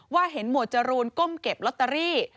เห็นหมวดจรูนก้มเก็บลอตเตอรี่